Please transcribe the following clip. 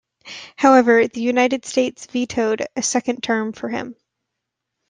However, the United States vetoed a second term for him.